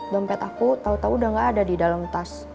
dompet aku tau tau udah gak ada di dalam tas